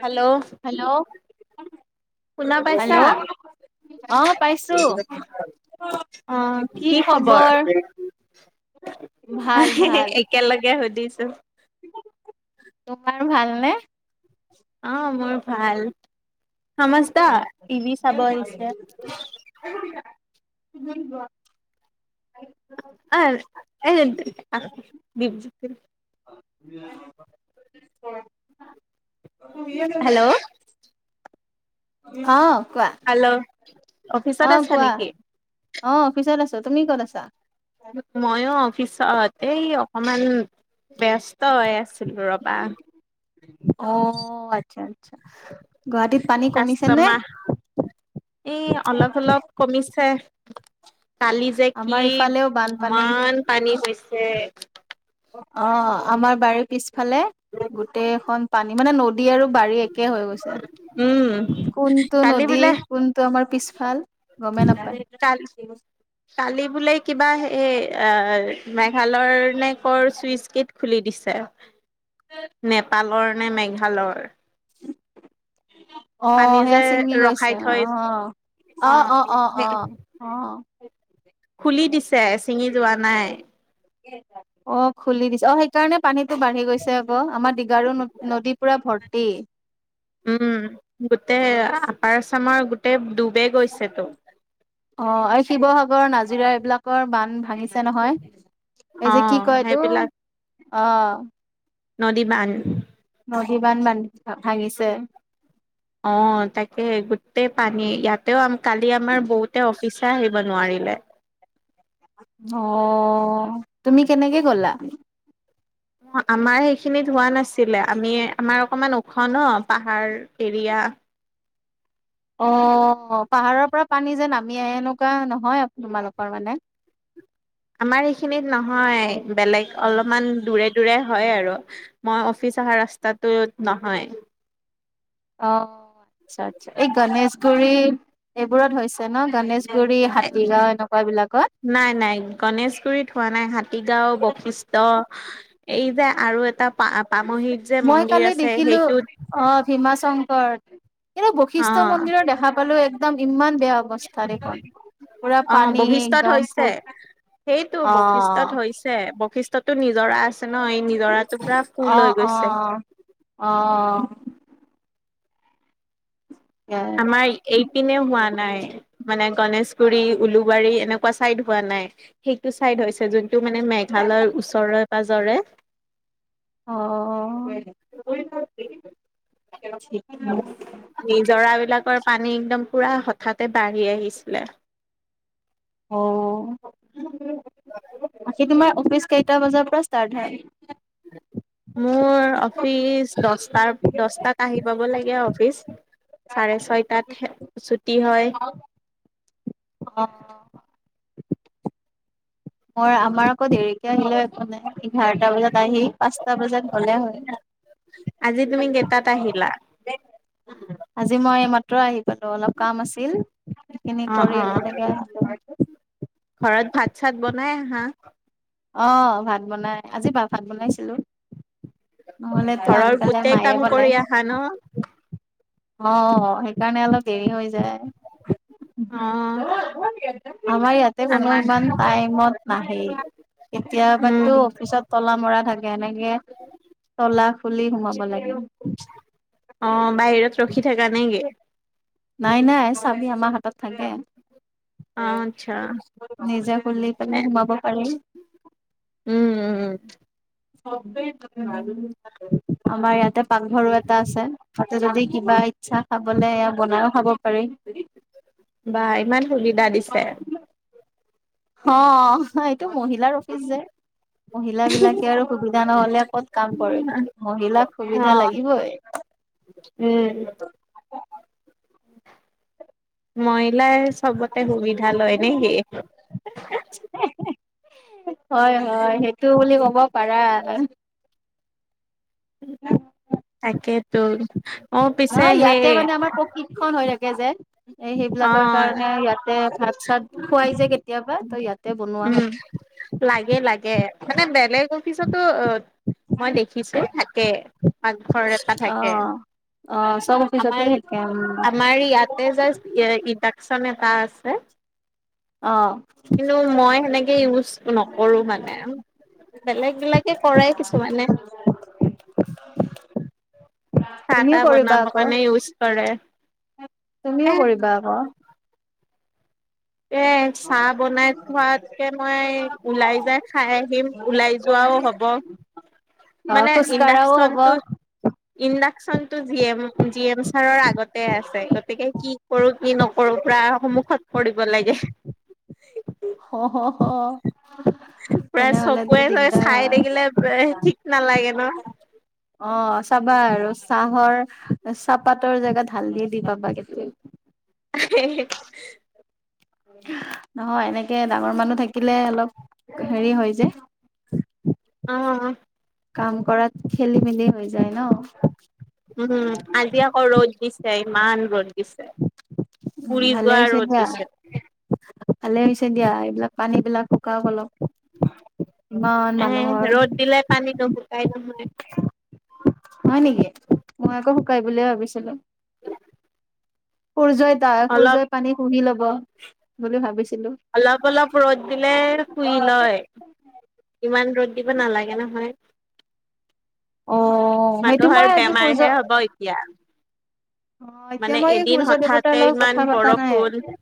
Hello hello শুনা hello পাইছা? অ পাইছো অঁ' কি খবৰ? ভাল এহে, ভাল একেলগে সুধিছো। তোমাৰ ভাল নে? অঁ মোৰ ভাল। খামাজ দা টিভি চাব আহিছে। [inaudible] অ এ [unintelligible] [unintelligible] শুনিয়ে নাপায়। হেল্ল' অঁ'। হেল্ল'! অফিচত আছা নেকি? অঁ' অফিচত আছো। তুমি ক'ত আছা? মইয়ো অফিছত এই অকনমান ব্যস্ত হৈ আছিলো ৰ'বা। অ', আচ্ছা। গুৱাহাটীত পানী কমিছে নে কাষ্টমা, এই অলপ অলপ কমিছে। কালি যে কি, আমাৰ ইফালেও বানপানী ইমান পানী হৈছে। অ', আমাৰ বাৰীৰ পিছফালে, গোটেই খন পানী, মানে নদ দী আৰু বাৰী একে হৈ গৈছে। উম, কোনটো কালি নদী, বোলে কোনটো আমাৰ পিছফাল গমে নাপায়। কালি কালি বোলে কিবা হে, আৰ মেঘালয়ৰ নে কৰ চুইচ গেট খুলি দিছে। নেপালৰ নে মেঘালয়ৰ। অ', পানী সেয়া যে ছিঙি গৈছে। ৰখাই থৈ অ', অ', অ', অ', সেই অ', অ'। খুলি দিছে, ছিঙি যোৱা নাই। কেইটা। অ', খুলি দিছে, অ', সেইকাৰণে পানীটো বাঢ়ি গৈছে আকৌ, আমাৰ দীঘাৰু নদী পুৰা ভৰ্তি। উ। গোটেই আপাৰ আচামৰ গোটে ডুবে গৈছেতো অ', এই শিৱসাগৰ, নাজিৰা এইবিলাকৰ বান্ধ ভাঙিছে নহয়। অ এই যে কি কয় এইতো, সেইবিলাক অ'। নদীবান্ধ। নহীবান বান্ধ, ভাঙিছে। অ', তাকেহে গোটেই পানী, ইয়াতেও কালি আমাৰ বহুতে অচ ফিচে আহিব নোৱাৰিলে। অ', তুমি কেনেকে গ'লা? অ', আমাৰ এইখিনিত হোৱা নাছিলে, আমি আমাৰ অকমান ওখ ন পাহাৰ। এৰিয়া। অ', পাহাৰৰ পৰা পানী যে নামি আহে, এনেকুৱা নহয় তোমালোকৰ মানে। আমাৰ এইখিনিত নহয়, বেলেগ অলমান দূৰে দূৰে হয় আৰু। মই অফিচ অহা ৰাস্তাটোত নহয়। অ', আচ্ছা আচ্ছা, এই গণেশগুৰি এইবোৰত হৈছে ন, গণেশ নাই নাই, গণেশগুৰিত হোৱা নাই। হাতীগাঁও, বশিষ্ঠ অ', এই যে আৰু এটা পা, পামহিত যে মই মন্দিৰ কালি আছে দেখিলো সেইটোত অ', ভীমা শংকৰ, কিন্তু অ বৈশিষ্ট মন্দিৰৰ দেখা পালো একদম ইমান বেয়া অৱস্থা দেখোন, পোৰা অ পানী বশিষ্ঠত একদম হৈছে। ফুল। অ'। ছে, বৈশিষ্ঠতো নিজৰা আছে ন, এই নিজৰাটো পোৰা অ ফুল হৈ অ গৈছে। অ'। অ আমাৰ এইপিনে হোৱা নাই। মানে গনেশগুৰি, উলুবাৰী, এনেকুৱা চাইদ হোৱা নাই, সেইটো চাইদ হৈছে যত এইটো মানে মেঘালয়ৰ ওচৰৰে পাজৰে। অ', [unintelligible] নিজৰা বিলাকৰ পানী একদম পোৰা হঠাতে বাঢ়ি আহিছিলে। অ'। বাকী তোমাৰ অফিচ কেইটা বজাৰ পৰা ষ্টাৰ্ট হয়? মোৰ অফিচ, দচটাৰ দচটাত আহি পাব লাগে অফিচ, চাৰে ছয়টাত শে ছুটি হয়। অ'। মোৰ, আমাৰ আকৌ দেৰিকে আহিলেও একো নাই, ইঘাৰটা বজাত আহি পাঁচটা বজাত গ'লে হয়। আজি তুমি কেইটাত আহিলা? আজি মই এইমাত্ৰ আহি পালো, অলপ কাম আছিল। সেইখিনি অ কৰি অ একেলগে আহিলো। ঘৰত ভাত চাত বনাই আহা? অঁ ভাত বনাই, আজি ভাত বনাইছিলো। নহ'লেতো আনকালে মায়ে বনাই হয় নে? অঁ সেইকাৰণে অলপ দেৰি হৈ যায়। অ আমাৰ ইয়াতে কোনো আমাৰ ইমান টাইমত নাহেই, উম কেতিয়াবো অফিচত তলা মৰা থাকে এনেকে তলা খুলি সোমাব লাগে। অঁ বাহিৰত ৰখি থাকা নেকি? নাই নাই চাবি আমাৰ হাতত থাকে। অ আচ্ছা নিজছ খুলি পেলাই কেনে সোমাব পাৰি। উম উম উম। [unintelligible] আমাৰ ইয়াতে পাকঘৰো এটা আছে। ত যদি কিবা ইচ্ছা খাবলে এয়া বনাইও খাব পাৰি। বা ইমান সুবিধা দিছে। অঁ এইটো মহিলাৰ অফিচ যে। মহিলা বিলাকে আৰু সুবিধা নহ'লে ক'ত কাম কৰিব? মহিলাক অ সুবিধা লাগিবই। উম। মহিলাই চ'বতে সুবিধা লয় নেকি? হয় হয় সেইটো বুলি ক'ব পাৰা। [unintelligible] তাকেটো অঁ পিছে সেই [unintelligible] খন হৈ থাকে যে। এ অ সেইবিলাকৰ কাৰণে ইয়াতে ভাত চাত খুৱাই যে কেতিয়াবা ত ইয়াতে বনোৱা উম হয়। লাগে লাগে মানে বেলেগ অফিছতো অ' মই দেখিছো থাকে, পাকঘৰ এটা অ থাকে। অ' চব অফিচতে থাকে উম। সেই যে এ ইডাকচন এটা আছে। অঁ কিন্তু মই সেনেকে ইউজ নকৰো মানে। বেলেগ বিলাকে কৰে কিছুমানে। চাহ তুমিও তাহ কৰিবা বনাব আকৌ কাৰণে ইউজ কৰে। তুমিও এ কৰিবা আ'ক এই চাহ বনাই খোৱাতকে মই ওলাই যাই খাই আহিম। ওলাই যোৱাও হ'ব অ মানে খোজকাঢ়াও হব ইন্দাকচনটো অ ইণ্ডাকচন টো জি এম, জি এম চাৰৰ আগতে আছে গতিকে কি কৰো কি নকৰো পুৰা সন্মুখত কৰিব লাগে। হ হ হ। প্ৰায় চকুুৱে ৱে দিগদাৰ চাই হয় থাকিলে ঠিক নালাগে ন। অঁ চাবা আৰু চাহৰ চাহপাতৰ জেগাত হালধীয়ে দি পাবা কেতি উ [unintelligible] নহয়, এনেকে ডাঙৰ মানুহ থাকিলে অলপ হেৰি হয় যে। অ'। কাম কৰাত খেলি মেলি হৈ যায় ন। উম আজি আকৌ ৰ'দ দিছে ইমান ৰ'দ দিছে। উম পুৰি ভালে যোৱা হৈছে ৰ'দ দিয়া দিছে। ভালে হৈছে দিয়া এইবিলাক পানী বিলাক শুৱাক অলপ। ইমান মানুহৰ দিলাই পানী নভুকাই নহয় হয় নেকি মই আকৌ শুকাই বুলিয়ে ভাবিছিলোঁ। সূৰ্যই তা অলপ সূৰ্যই পানী শুহি লব বুলি ভাবিছিলোঁ। অলপ অলপ ৰ'দ দিলে শুই লয়। ইমান ৰ'দ দিব নালাগে নহয়। অ'। সেইটো মানুহৰ মই আজি বেমাৰ সূৰ্য হে হ'ব এতিয়া। অ', মানে এতিয়া মই এই এদিন সূৰ্য হঠাতে দেৱতাৰ লগত ইমান কথা পতা বৰষুণ নাই।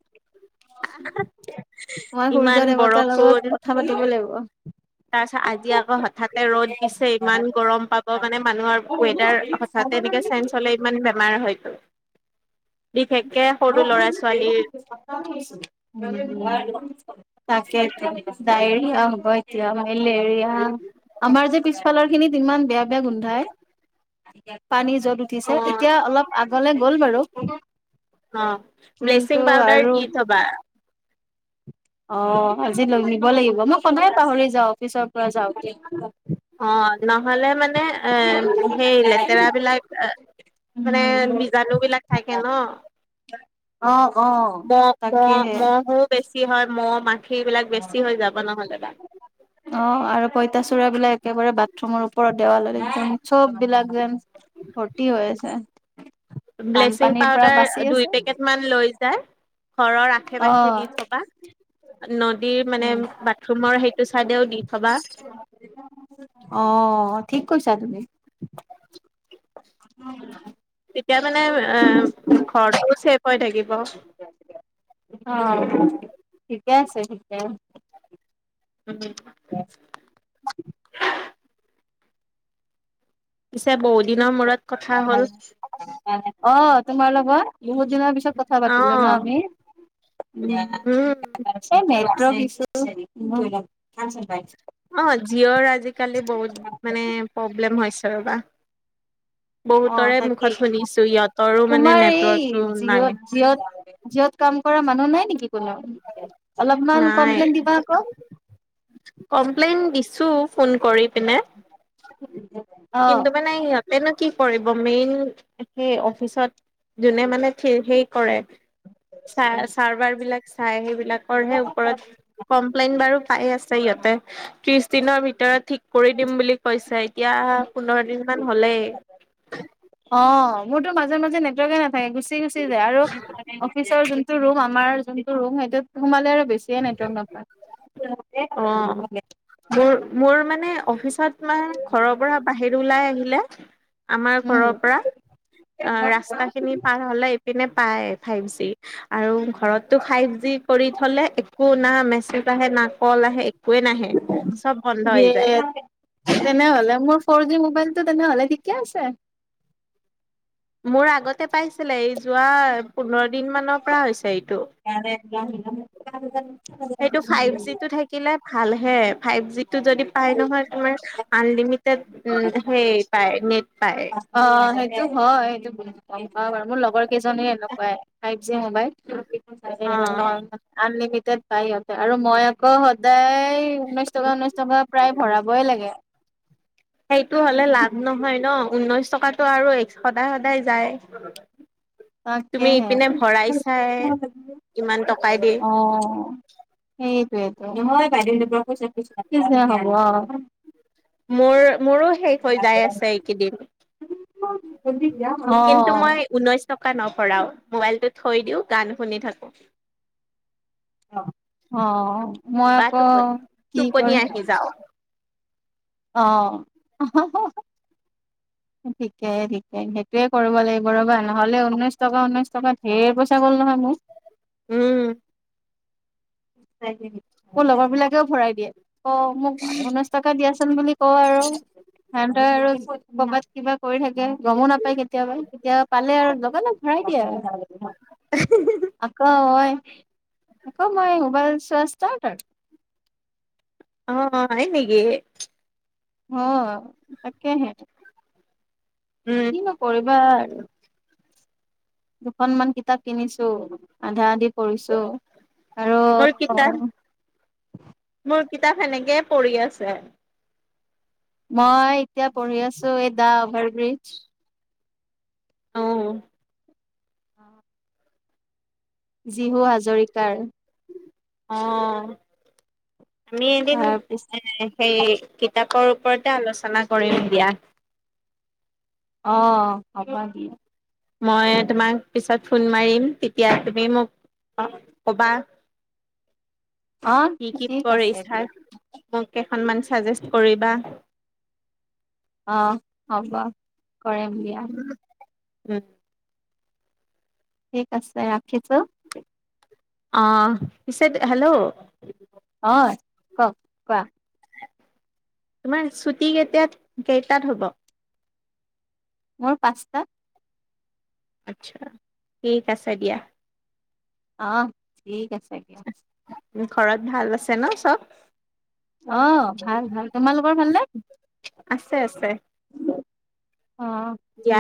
মই ইমান সূৰ্য দেৱতাৰ বৰষুণ লগত কথা পাতিব লাগিব। তাৰ পিছত আজি আকৌ হঠাতে ৰ'দ দিছে ইমান গৰম পাব মানে মানুহৰ ৱেডাৰ হথাৎ তেনেকে চেইঞ্চ হ'লে ইমান বেমাৰ হয়তো। বিশেষকে সৰু ল'ৰা ছোৱালীৰ [unintelligible] তাকে আতি দ এিয়া [unintelligible] আম্ব আতিয় মলে এিয়া [unintelligible] আমাৰ যে পিছফালৰ খিনিত ইমান বেয়া বেয়া গোন্ধাই পানী ত অ উঠিছে এতিয়া অলপ আগলে গ'ল বাৰু। অ', কিন্তু ব্লিচিং পাউদাৰ আৰু দি থবা। অ', আজি ল নিব লাগিব মই সদায় পাহৰি যাওঁ অফিচৰ পৰা যাওঁতে। অ', নহ'লে মানে এ সেই লেতেৰা বিলাক মানে বীজাণু বিলাক থাকে ন। অ অ বা ব তাকেহে ম [unintelligible] বেছি হয় মহ মাখি এইবিলাক বেছি হৈ যাব নহ'লোদা [unintelligible] অ', আৰু পইতাচোৰা বিলাক একেবাৰে বাথৰুমৰ ওপৰত দেৱাললে যেন চব বিলাক যেন ভৰ্তি হয় আছে। ব্লেচিং বানপানীৰ পৰা পাউদাৰ বাচি দুই আছে পেকেট মান লৈ যায় ঘৰৰ আশে অ পাশে দি থবা। নদীৰ মানে বাথৰুমৰ সেইটো চাইডেও দি থবা। অ', ঠিক কৈছা তুমি। এতিয়া মানে এ ঘৰটোও চেফ হৈ থাকিব। অ', ঠিকে আছে, ঠিকে আছে। [unintelligible] পিছে বহু দিনৰ মূৰত কথা হ'ল। অ', তোমাৰ লগত বহুত দিনৰ পিছত কথা অ পাতিলোঁ ন আমি। উম। মেট্ৰ বিছু [unintelligible] অ', জিঅ'ৰ আজিকালি বহুত মানে প্ৰব্লেম হৈছে ৰ'বা। অ বহুতৰে তাকেই মুখত শুনিছোঁ ইহঁতৰো মানে তোমাৰ এই নেটৱৰ্কটো নাই। জিঅ'ত জিঅ'ত জিঅ'ত কাম কৰা মানুহ নাই নেকি কোনো অলপমান নাই কমপ্লেইন দিবা আকৌ। কমপ্লেইন দিছো ফোন কৰি পিনে। উম [unintelligible] কিন্তু মানে সিহঁতেনো কি কৰিব মেইন সেই অফিচত। যোনে মানে সেই কৰে চ চাৰভাৰ বিলাক চাই সেইবিলাক। সেই বিলাকৰ ওপৰত কমপ্লেইন বিলাক পাই আছে সিহঁতে ত্ৰিছ দিনৰ ভিতৰত থিক। কৰি দিম বুলি কৈছে এতিয়া পোন্ধৰ দিন মান হ'লেই। অ মোৰ তো মাজে মাজে নেটৱৰ্কক না। হে গুচি গুচি যায় আৰু অফিচৰ যোনটো ৰুম আমাৰ যোনটো ৰুম সেইটোত সোমালে আৰু বেছি। কে নেটৱৰ্ক অ নাপায়। মোৰ মোৰ মানে অফিচত মান ঘৰৰ পৰা বাহিৰ ওলাই আহিলে। আমাৰ উম ঘৰৰ পৰা অ ৰাস্তা খিনি পাৰ হ'লে ইপিনে পায় ফাইভ জি। আৰু ঘৰতো ফাইভ জি কৰি থ'লে। একো না মেছেজ আহে না কল আহে একোৱেই নাহে চব বন্ধ হৈ যায়। তেনেহলে মোৰ ফ'ৰ জি মোবাইল টো তেনেহলে ঠিকে আছে। মোৰ আগতে পাইছিলে এই যোৱা পোন্ধৰ দিন মানৰ পৰা হৈছে এইটো। সেইটো ফাইভ জি টো [unintelligible] থাকিলে ভাল হে ফাইভ জিটো যদি পাই নহয় তোমাৰ। আনলিমিটেড হে পায় নেট পায়। অ সেইটো হয় সেইটো। গম পা বাৰু মোৰ লগৰ কেইজনি এনেকুৱাই ফাইভ জি অ মোবাইল। আনলিমিটেড পাই সিহঁতে আৰু মই আকৌ সদায়। এই ঊনৈশ টকা ঊনৈশ টকা প্ৰায় ভৰাবই লাগে। সেইটো হ'লে লাভ নহয় ন ঊনৈশ টকাটো আৰু এক্সট্ৰা সদায় সদায় যায়। তুমি তাকেহে ইপিনে ভৰাই চাই ইমান টকাই দি। অ। সেইটোয়েতো হয় বাইদেউ জেনীয়ে কৈছে কি যে হ'ব আ। মোৰ মোৰো সেই। হৈ যাই আছে এইকেইদিন অ অ কিন্তু মই ঊনৈশ। টকা নভৰাও মোবাইলটো থৈ দিওঁ গান শুনি থাকো। অ মই বা আকৌ তপ কি তুপনি কৰিছা আহি যাওঁ। অ আহা হা। ঠিকেই ঠিকে সেইটোয়ে কৰিব লাগিব ৰ'বা নহলে ঊনৈশ টকা ঊনৈশ টকা ঢেৰ পইচা গ'ল নহয় মোৰ। উম। মোৰ লগৰ বিলাকেও ভৰাই দিয়ে। অ মোক ঊনৈশ টকা দিয়াচোন বুলি কও আৰু। তাকে আৰু মোবাইলত কিবা কৰি থাকে গমো নাপায় কেতিয়াবা কেতিয়াবা পালে আৰু লগা লগ। ভৰাই দিয়ে আৰু। অ। আকৌ মই আকৌ মই মোবাইল চোৱা ষ্টাৰ্ট আৰু। অ হয় নেকি। অ তাকে হে। উম ম। কি কৰিবা আৰু। দুখনমান কিতাপ কিনিছো আধা আধি পঢ়িছো। আৰু মোৰ কিতাপ মোৰ কিতাপ সেনেকেই পঢ়ি আছে। মই এতিয়া পঢ়ি আছো এই দা অভাৰ ব্ৰিজ। নো। অ জীহু হাজৰিকাৰ অ আমি এদিন তাৰপিছত এ সেই কিতাপৰ ওপৰতে আলোচনা কৰিম দিয়া। অ হব মই তোমাক পিছত ফোন মাৰিম তেতিয়া তুমি মোক কবা। অ কি কি ঠিক আছে দিয়া পৰিছাত। মোক কেইখনমান চাজেষ্ট কৰিবা। অ হ'ব কৰিম দিয়া [inaudible] ঠিক আছে ৰাখিছো অ পিছে হেল্ল হয় কওক কোৱা তোমাৰ ছুটি কেতিয়া কেইটাত হ'ব মোৰ পাঁচটাত আচ্ছা ঠিক আছে দিয়া। অ ঠিক আছে দিয়া। ঘৰত ভাল আছে ন চব। অহ ভাল ভাল তোমালোকৰ ভালনে আছে আছে অহ দিয়া